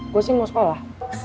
gua sih mau sekolah